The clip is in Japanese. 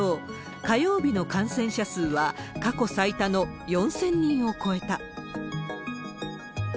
火曜日の感染者数は、過去最多の４０００人を超えた。